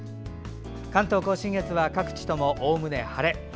関東・甲信越は各地ともおおむね晴れ。